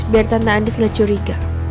biar tante anies gak curiga